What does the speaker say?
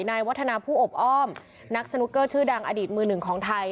นายวัฒนาผู้อบอ้อมนักสนุกเกอร์ชื่อดังอดีตมือหนึ่งของไทย